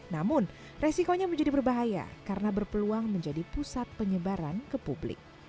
namun resikonya menjadi berbahaya karena berpeluang menjadi pusat penyebaran ke publik